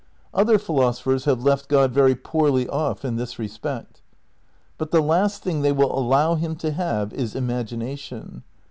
Other philosophers have left God very poorly off in this respect. But the last thing they will allow him to have is im agination.